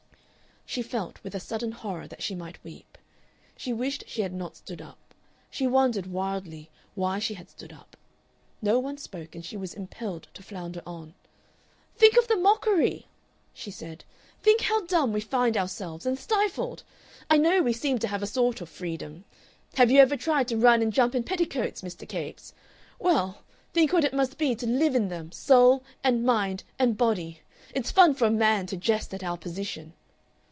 She felt, with a sudden horror, that she might weep. She wished she had not stood up. She wondered wildly why she had stood up. No one spoke, and she was impelled to flounder on. "Think of the mockery!" she said. "Think how dumb we find ourselves and stifled! I know we seem to have a sort of freedom.... Have you ever tried to run and jump in petticoats, Mr. Capes? Well, think what it must be to live in them soul and mind and body! It's fun for a man to jest at our position."